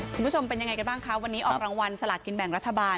คุณผู้ชมเป็นยังไงกันบ้างคะวันนี้ออกรางวัลสลากินแบ่งรัฐบาล